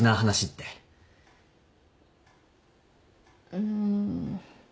うん。